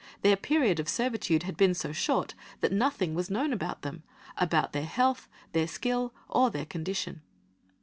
Their period of servitude had been so short that nothing was known about them, about their health, their skill, or their condition.